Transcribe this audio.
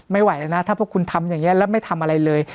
ไม่ไหวแล้วนะถ้าพวกคุณทำอย่างนี้แล้วไม่ทำอะไรเลย